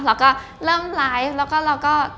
เราก็เริ่มไลฟ์แล้วก็เราก็